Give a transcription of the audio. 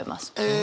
え！